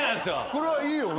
これはいいよな。